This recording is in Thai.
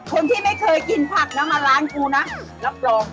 คนที่ไม่เคยกินผักนะมาร้านกูนะรับรอง